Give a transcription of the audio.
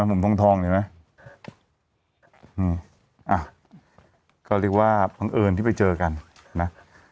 ผมทองทองเห็นไหมอืมอ่ะก็เรียกว่าบังเอิญที่ไปเจอกันนะ